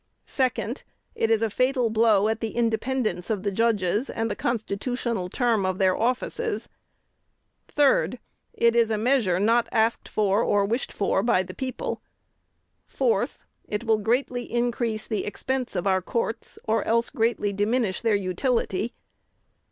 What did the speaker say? "2d. It is a fatal blow at the independence of the judges and the constitutional term of their offices. "3d. It is a measure not asked for, or wished for, by the people. "4th. It will greatly increase the expense of our courts, or else greatly diminish their utility.